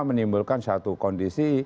menimbulkan satu kondisi